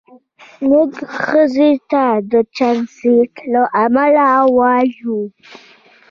موږ ښځې ته د جنسیت له امله ووایو.